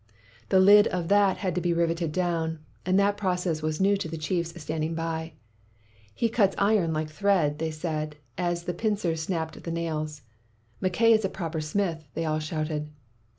The lid of that had to be riveted down, and that process was new to the chiefs standing by. 'He cuts iron like thread!' they said, as the pincers snapped the nails. ' Mackay is a proper smith !' they all shouted.